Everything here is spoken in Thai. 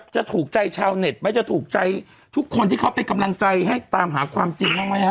จะถูกใจชาวเน็ตไหมจะถูกใจทุกคนที่เขาเป็นกำลังใจให้ตามหาความจริงบ้างไหมฮะ